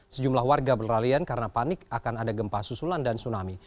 sejumlah warga berlarian karena panik akan ada gempa susulan dan tsunami